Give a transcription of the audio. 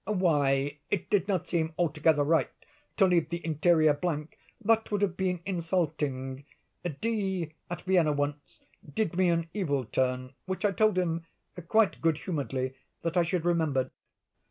"Why—it did not seem altogether right to leave the interior blank—that would have been insulting. D——, at Vienna once, did me an evil turn, which I told him, quite good humoredly, that I should remember.